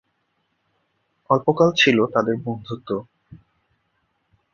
অল্পকাল ছিল তাদের বন্ধুত্ব।